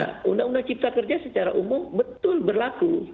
karena undang undang cipta kerja secara umum betul berlaku